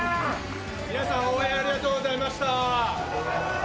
皆さん、応援ありがとうございました。